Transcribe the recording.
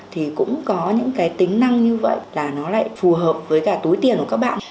thì cũng có những cái tính năng như vậy là nó lại phù hợp với cả túi tiền của các bạn